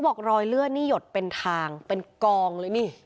บอกรอยเลือดนี่หยดเป็นทางเป็นกองเลยนี่